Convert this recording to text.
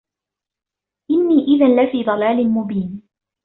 إِنِّي إِذًا لَفِي ضَلَالٍ مُبِينٍ